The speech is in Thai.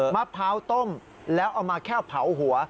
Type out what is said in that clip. มะพร้าวต้มแล้วเอามาแค่เผาหัว